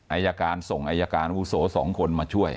อัยการส่งอัยการอุโสสองคนมาช่วย